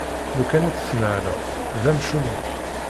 Lukan ad t-tennaleḍ, d amcum-ik!